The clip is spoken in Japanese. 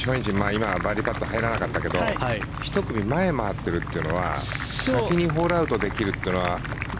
今、バーディーパット入らなかったけど１組前を回っているというのは先にホールアウトできるというのは。